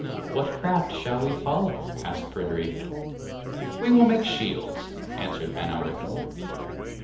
'What craft shall we follow?' asked Pryderi. 'We will make shields,' answered Manawyddan.